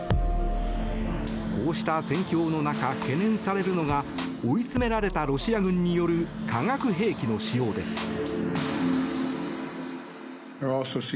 こうした戦況の中懸念されるのが追い詰められたロシア軍による化学兵器の使用です。